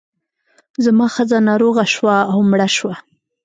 زما ښځه ناروغه شوه او مړه شوه.